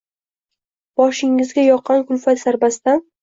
Boshingizga yoqqan kulfat zarbasidan